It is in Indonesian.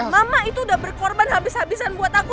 mama itu udah berkorban habis habisan buat aku